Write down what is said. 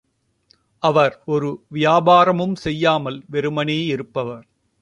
அவர் ஒரு வியாபாரமும் செய்யாமல் வெறுமனே இருப்பவர்.